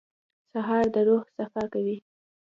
سهار د روح صفا کوي.